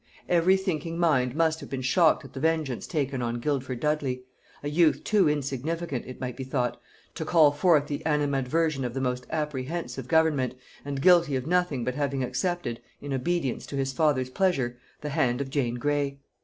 Every thinking mind must have been shocked at the vengeance taken on Guildford Dudley, a youth too insignificant, it might be thought, to call forth the animadversion of the most apprehensive government, and guilty of nothing but having accepted, in obedience to his father's pleasure, the hand of Jane Grey.